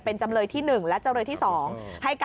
เป็นจำเลยที่๑และจำเลยที่๒